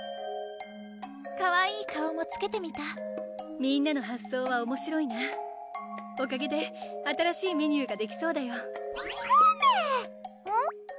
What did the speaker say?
かわいい顔もつけてみたみんなの発想はおもしろいなおかげで新しいメニューができそうだよコメ！